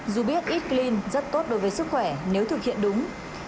dù biết eat clean rất tốt đối với sức khỏe nếu thực hiện đúng